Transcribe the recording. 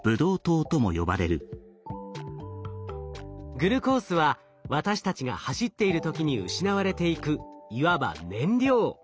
グルコースは私たちが走っている時に失われていくいわば燃料。